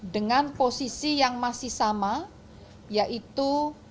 dengan posisi yang masih sama yaitu